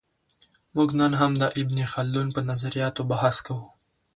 موږ نن هم د ابن خلدون په نظریاتو بحث کوو.